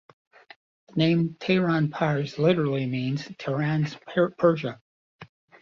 The name Tehran Pars literally means "Tehran's Persia".